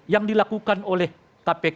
yang dilakukan oleh kpk